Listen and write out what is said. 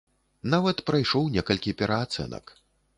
Нават прайшоў некалькі пераацэнак.